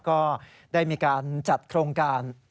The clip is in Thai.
ก็ได้มีการจัดโครงการ